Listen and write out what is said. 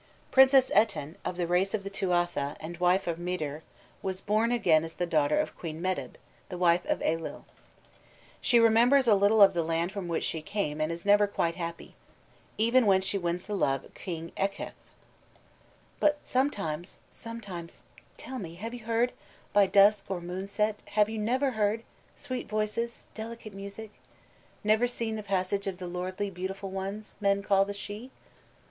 Princess Etain, of the race of the Tuatha, and wife of Midir, was born again as the daughter of Queen Medb, the wife of Ailill. She remembers a little of the land from which she came, is never quite happy, "But sometimes sometimes tell me: have you heard, By dusk or moonset have you never heard Sweet voices, delicate music? Never seen The passage of the lordly beautiful ones Men call the Shee?"